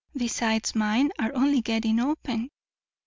Besides, mine are only getting open."